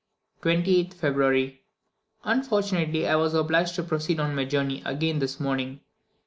28th February. Unfortunately I was obliged to proceed on my journey again this morning.